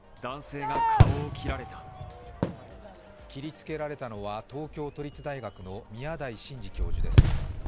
切りつけられたのは、東京都立大学の宮台真司教授です。